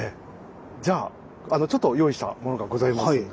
じゃあちょっと用意したものがございますので。